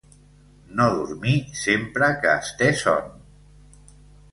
No dormir sempre que es té son.